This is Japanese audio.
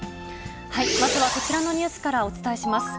まずはこちらのニュースからお伝えします。